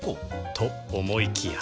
と思いきや